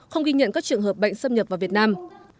không ghi nhận các trường hợp bệnh xâm nhập vào việt nam